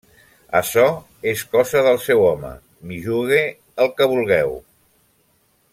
Açò és cosa del seu home, m’hi jugue el que vulgueu.